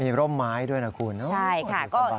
มีร่มไม้ด้วยนะคุณโอ้โฮดูสบายจัง